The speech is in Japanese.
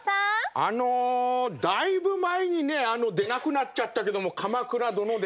あのだいぶ前にねあの出なくなっちゃったけども「鎌倉殿」で。